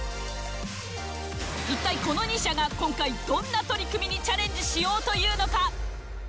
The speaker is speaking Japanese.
いったいこの２社が今回どんな取り組みにチャレンジしようというのか？